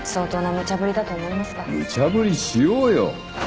むちゃぶりしようよ。